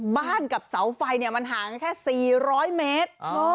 บ้านกับเสาไฟเนี่ยมันห่างแค่๔๐๐เมตร